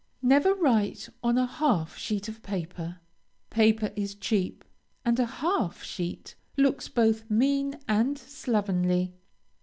Never write on a half sheet of paper. Paper is cheap, and a half sheet looks both mean and slovenly.